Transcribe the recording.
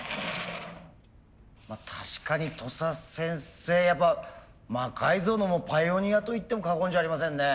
確かに土佐先生やっぱ魔改造のパイオニアといっても過言じゃありませんね。